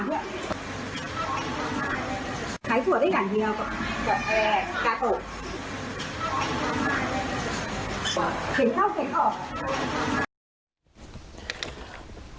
เห็นเข้าเก็บของ